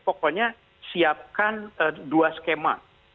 pokoknya siapkan dua skema